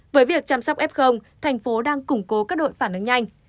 với việc chăm sóc f thành phố đang củng cố các đội phản ứng nhanh